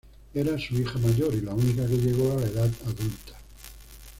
Era su hija mayor y la única que llegó a la edad adulta.